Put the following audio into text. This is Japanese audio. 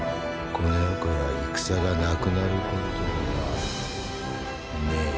この世から戦がなくなることはねえ。